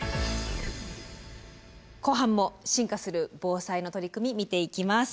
後半も進化する防災の取り組み見ていきます。